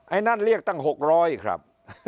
ไอ้นั่นเรียกตั้ง๖๐๐ครับ๖๐๐